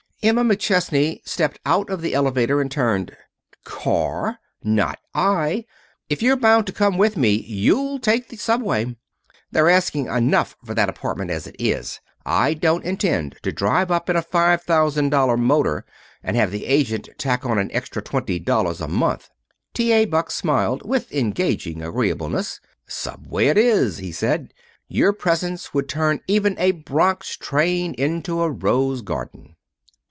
Emma McChesney stepped out of the elevator and turned. "Car! Not I! If you're bound to come with me you'll take the subway. They're asking enough for that apartment as it is. I don't intend to drive up in a five thousand dollar motor and have the agent tack on an extra twenty dollars a month." T. . Buck smiled with engaging agreeableness. "Subway it is," he said. "Your presence would turn even a Bronx train into a rose garden."